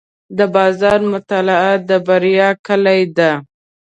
د بازار مطالعه د بریا کلي ده.